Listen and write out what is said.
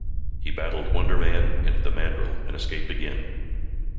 He battled Wonder Man and the Mandrill, and escaped again.